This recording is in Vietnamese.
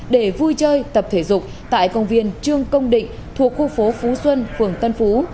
để vui chơi tập thể dục tại công viên trương công định thuộc khu phố phú xuân phường tân phú